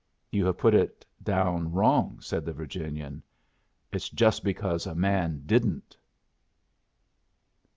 "You have put it down wrong," said the Virginian; "it's just because a man didn't."